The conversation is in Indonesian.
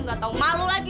gak tau malu lagi